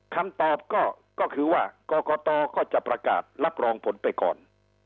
คำตอบก็คือว่ากรกตก็จะประกาศรับรองผลไปก่อน